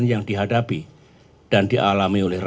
yang akan keluar